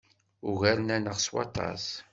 Ugaren-aneɣ s waṭas.